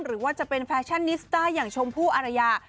หรือว่าจะเป็นแฟชั่นนิสต้าอย่างชมพู่อารยา